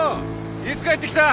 いつ帰ってきた？